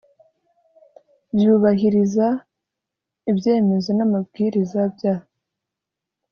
byubahiriza ibyemezo n amabwiriza bya